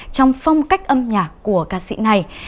trong phong cách âm nhạc của ca sĩ này